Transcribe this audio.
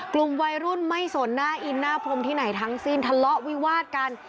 กลุ่มวัยรุ่นไม่สนหน้าอินหน้าพรมที่ไหนทั้งสิ้นทะเลาะวิวาดกัน